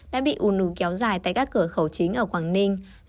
đã bị ùn nứ kéo dài tại các cửa khẩu chính ở quảng ninh